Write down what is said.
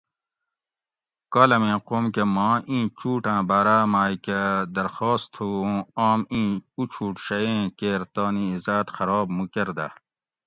کالمیں قوم کۤہ ماں اِیں چوٹاۤں باۤراۤ ماۤئ کۤہ درخواست تھُو اوں آم اِیں اُچھوٹ شئیں کیر تانی عِزاۤت خراب مُو کۤردہ